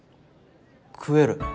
食える